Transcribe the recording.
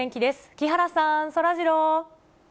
木原さん、そらジロー。